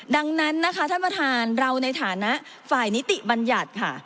ดังนั้นนะคะท่านประธานเราในฐานะฝ่ายนิติบัญญัติค่ะ